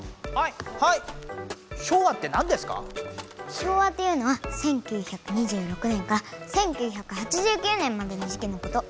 昭和っていうのは１９２６年から１９８９年までの時期のこと。